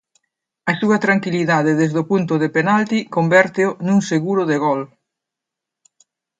A súa tranquilidade desde o punto de penalti convérteo nun seguro de gol.